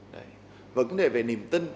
và vấn đề về niềm tin